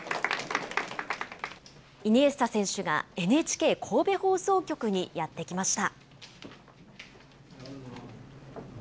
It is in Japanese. イニエスタ選手がＮＨＫ神戸放送局にやって来ました。